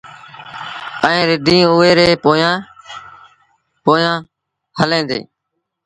ائيٚݩٚ رڍينٚ اُئي ري پويآنٚ پويآنٚ هلينٚ دينٚ